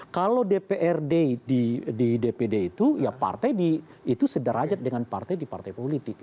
kalau dprd di dpd itu ya partai itu sederajat dengan partai di partai politik